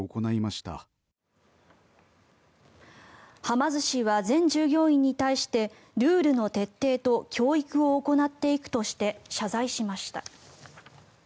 ま寿司は全従業員に対してルールの徹底と教育を行っていくとして謝罪しました。